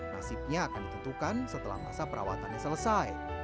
nasibnya akan ditentukan setelah masa perawatannya selesai